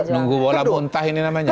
nunggu bola muntah ini namanya